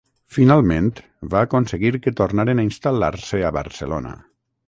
Finalment va aconseguir que tornaren a instal·lar-se a Barcelona.